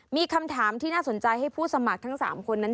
มีคำถามที่น่าสนใจให้ผู้สมัครทั้ง๓คนนั้น